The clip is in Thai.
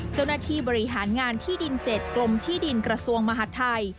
เจ้าหน้าที่บริหารงานที่ดิน๗กรมที่ดินกระทรวงมหาดไทย